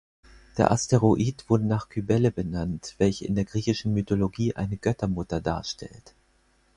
Der Asteroid wurde nach Kybele benannt, welche in der griechischen Mythologie eine Göttermutter darstellt.